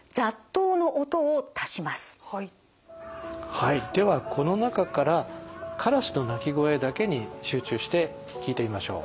はいではこの中からカラスの鳴き声だけに集中して聴いてみましょう。